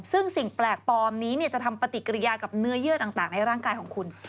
ซึ่งสิ่งแปลกปลอมนี้จะทำปฏิกิริยากับเนื้อเยื่อต่างในร่างกายของคุณ